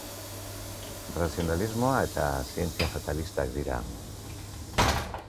Razionalismoa eta zientzia fatalistak dira..